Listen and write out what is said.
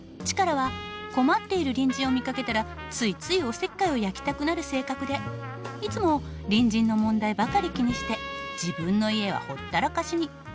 チカラは困っている隣人を見かけたらついついおせっかいを焼きたくなる性格でいつも隣人の問題ばかり気にして自分の家はほったらかしに。